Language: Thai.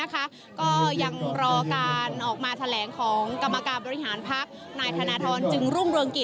บรรยากาศที่พักอนาคตใหม่จนถึงตอนนี้นะคะ